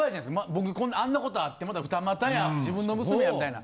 僕あんなことあってまた二股や自分の娘やみたいな。